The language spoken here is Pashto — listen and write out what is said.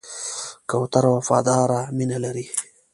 کوتره وفاداره مینه لري.